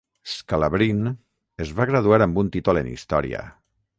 Scalabrine es va graduar amb un títol en història.